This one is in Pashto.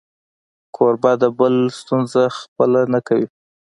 کوربه د بل ستونزه خپله نه کوي.